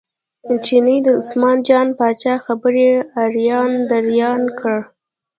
چیني د عثمان جان پاچا خبرې اریان دریان کړ.